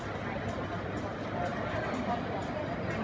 พี่แม่ที่เว้นได้รับความรู้สึกมากกว่า